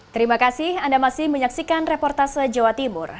terima kasih anda masih menyaksikan reportase jawa timur